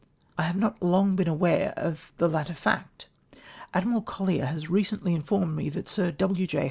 I have not long been aware of the latter fact. Admiral Colher has i ecently informed me that Sir W. J.